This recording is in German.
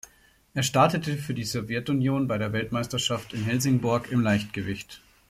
Er startete für die Sowjetunion bei der Weltmeisterschaft in Helsingborg im Leichtgewicht.